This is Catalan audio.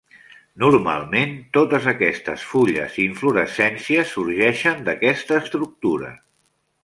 Normalment totes aquestes fulles i inflorescències sorgeixen d'aquesta estructura.